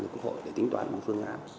quốc hội để tính toán một phương án